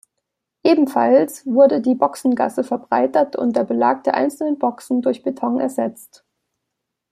Ebenfalls wurde die Boxengasse verbreitert und der Belag der einzelnen Boxen durch Beton ersetzt.